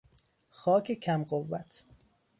خاک کم قوت